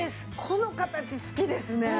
この形好きですね。